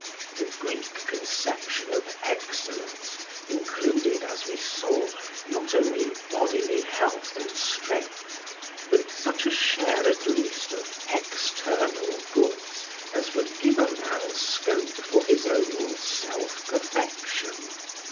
The Greek conception of excellence included, as we saw, not only bodily health and strength, but such a share at least of external goods as would give a man scope for his own self perfection.